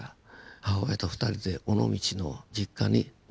母親と２人で尾道の実家に戻って過ごしました。